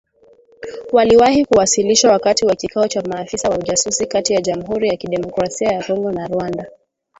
Waliwahi kuwasilishwa wakati wa kikao cha maafisa wa ujasusi kati ya Jamhuri ya Kidemokrasia ya kongo na Rwanda